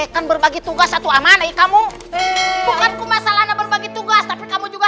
kan berbagi tugas satu amane kamu bukan masalahnya berbagi tugas tapi kamu juga